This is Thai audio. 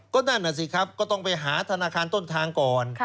ก็นั่นน่ะสิครับก็ต้องไปหาธนาคารต้นทางก่อน